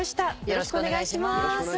よろしくお願いします。